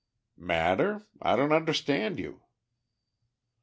"Matter? I don't understand you."